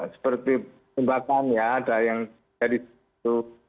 seperti pembakang ya ada yang jadi itu